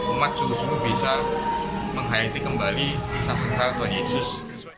umat sungguh sungguh bisa menghayati kembali kisah sentra atau yesus